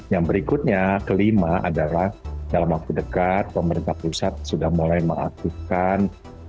yang berikutnya kelima adalah dalam waktu dekat pemerintah pusat sudah mulai mengaktifkan